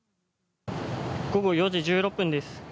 午後４時１６分です。